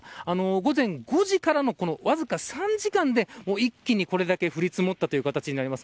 午前５時からの、わずか３時間で一気に、これだけ降り積もったという形になります。